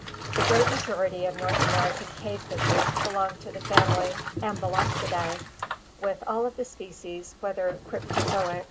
The great majority of North American cave fishes belong to the family Amblyopsidae, and all of the species, whether cryptozoic (Gr.